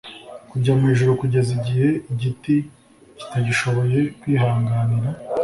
kujya mu ijuru, kugeza igihe igiti kitagishoboye kwihanganira